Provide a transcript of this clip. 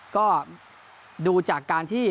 ก็ดูจากการที่